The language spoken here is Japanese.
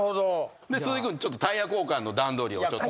鈴木君タイヤ交換の段取りをちょっと。